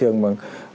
một cách tốt nhất